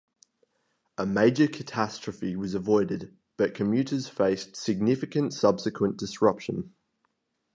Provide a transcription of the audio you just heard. A major catastrophe was avoided but commuters faced significant subsequent disruption.